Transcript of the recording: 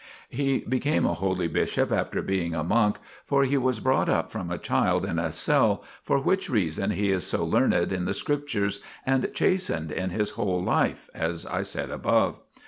He became a holy bishop after being a monk, for he was brought up from a child in a cell, for which reason he is so learned in the Scriptures and chastened in his whole life, as I said above.